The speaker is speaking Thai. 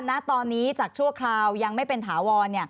ณตอนนี้จากชั่วคราวยังไม่เป็นถาวร